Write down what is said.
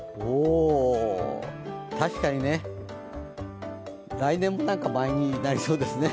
確かにね、来年も「舞」になりそうですね。